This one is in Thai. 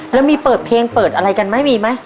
แล้วมีเปิดเพลงเปิดอะไรกันไหมมีไหม